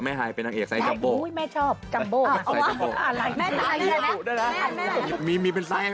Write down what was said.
แม่มาเป็นหนูใส่ห้าคี๊บเหลือก